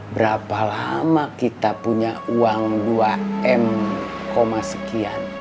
berapa lama kita punya uang dua m sekian